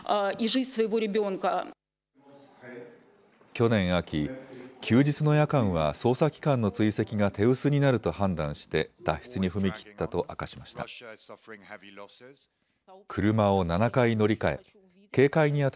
去年秋、休日の夜間は捜査機関の追跡が手薄になると判断して脱出に踏み切ったと明かしました。